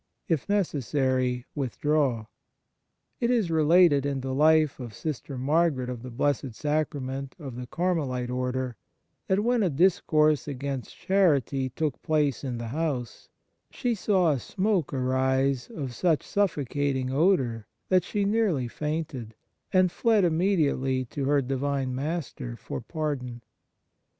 If necessary, withdraw. It is related in the life of Sister Margaret, of the Blessed Sacrament of the Carmelite Order, that when a discourse against charity took place in the house she saw a smoke arise of such suffocating odour that she nearly fainted, and fled immediately to her Divine Master for pardon.